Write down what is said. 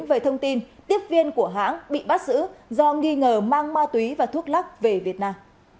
về thông tin tiếp viên của hãng bị bắt giữ do nghi ngờ mang ma túy và thuốc lắc về việt nam